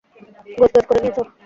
গোছগাছ করে নিয়েছ?